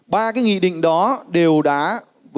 ba cái nghị định đó đều đáng đồng ý